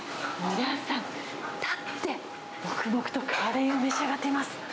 皆さん、立って、黙々とカレーを召し上がっています。